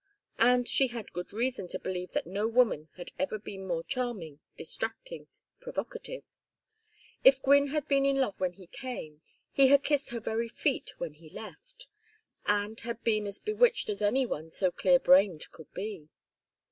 And she had good reason to believe that no woman had ever been more charming, distracting, provocative. If Gwynne had been in love when he came, he had kissed her very feet when he left, and had been as bewitched as anyone so clear brained could be.